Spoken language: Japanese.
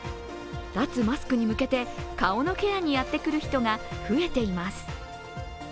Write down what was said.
脱マスクに向けて顔のケアにやってくる人が増えています。